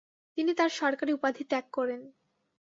তিনি তার সরকারি উপাধি ত্যাগ করেন।